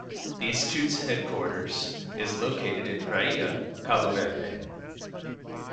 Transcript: The Institute's headquarters is located in Praia, Cabo Verde.